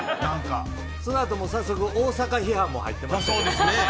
その後、早速大阪批判も入ってましたね。